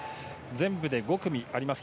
全部で５組あります